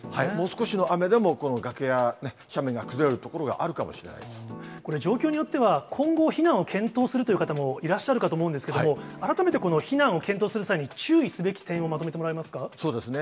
少しの雨でも崖や斜面が崩れこれ、状況によっては、今後、避難を検討するという方もいらっしゃるかと思うんですけれども、改めてこの避難を検討する際に、注意すべき点をまとめてもらえまそうですね。